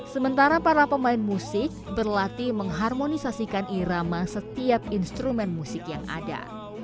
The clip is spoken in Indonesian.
sementara para pemain musik berlatih mengharmonisasikan irama setiap instrumen musik yang ada